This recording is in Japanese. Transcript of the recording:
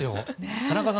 田中さん